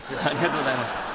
ありがとうございます。